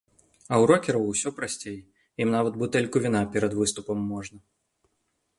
А ў рокераў усё прасцей, ім нават бутэльку віна перад выступам можна.